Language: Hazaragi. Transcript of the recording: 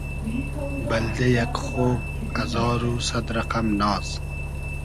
بئلدې یئگ خۉ ازار و سئد رئقئم ناز